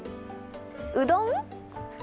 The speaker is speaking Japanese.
うどん？